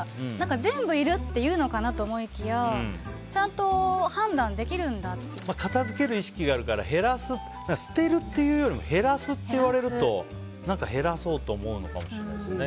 全部いるって言うのかなと思いきや片付ける意識があるから捨てるっていうよりも減らすって言われると減らそうと思うのかもしれない。